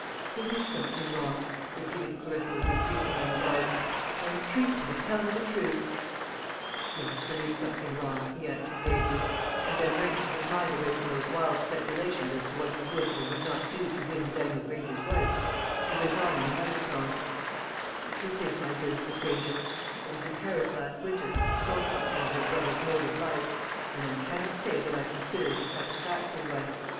"There is something wrong," repeated Clarissa with increasing anxiety. "I entreat you to tell me the truth!" "Yes, there is something wrong," he answered vaguely; and then, wrenching his mind away from those wild speculations as to what he would or would not do to win Daniel Granger's wife, he went on in another tone: "The truth is, my dear Mrs. Granger, I was in Paris last winter, and saw something of your brother's mode of life; and I cannot say that I consider it a satisfactory one.